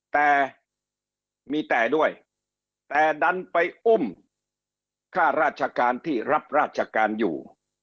แต่มีแต่ด้วยแต่ดันไปอุ้มค่าราชการที่รับราชการอยู่